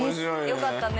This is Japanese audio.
よかったね。